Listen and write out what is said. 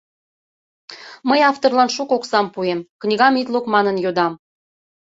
— Мый авторлан шуко оксам пуэм, книгам ит лук манын, йодам.